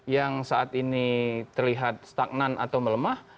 yang saat ini terlihat stagnan atau melemah